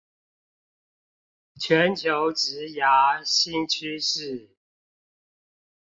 全球職涯新趨勢